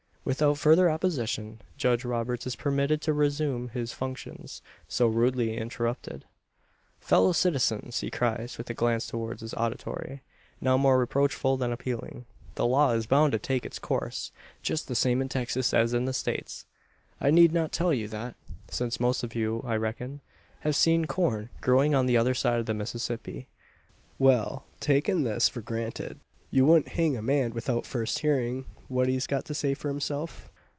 Without further opposition Judge Roberts is permitted to resume his functions, so rudely interrupted. "Fellow citizens!" he cries, with a glance towards his auditory, now more reproachful than appealing, "the law is bound to take its course just the same in Texas as in the States. I need not tell you that, since most of you, I reckon, have seen corn growing on the other side of the Mississippi. Well, taking this for granted, you wouldn't hang a man without first hearing what he's got to say for himself?